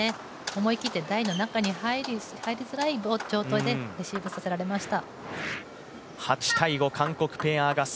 思い切って台の中に入りづらい状態でレシーブさせられました。